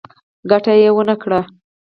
ګټه یې ونه کړه.